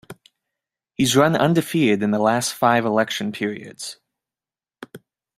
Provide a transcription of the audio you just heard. He's run undefeated in the last five election periods.